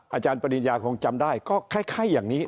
อาจารย์ปริญญาคงจำได้ก็คล้ายอย่างนี้